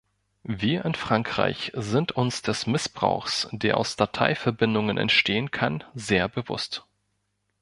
Wir in Frankreich sind uns des Missbrauchs, der aus Dateiverbindungen entstehen kann, sehr bewusst.